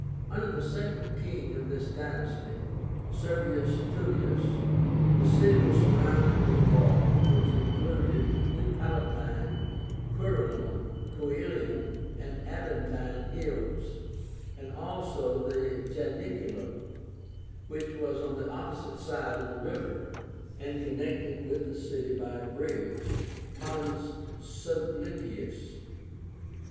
Under the second king of this dynasty, Servius Tullius, the city was surrounded with a wall, which included the Palatine, Quirínal, Coelian, and Aventine hills, and also the Janiculum, which was on the opposite side of the river, and connected with the city by a bridge (pons sublicius).